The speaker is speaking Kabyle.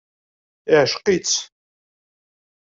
Iεceq-itt.